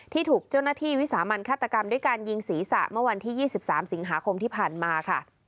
ถูกเจ้าหน้าที่วิสามันฆาตกรรมด้วยการยิงศีรษะเมื่อวันที่๒๓สิงหาคมที่ผ่านมาค่ะ